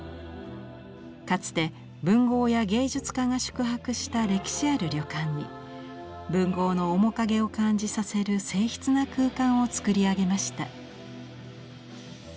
かつて文豪や芸術家が宿泊した歴史ある旅館に文豪の面影を感じさせる静ひつな空間をつくりあげました。